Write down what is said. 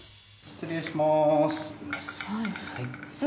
失礼します。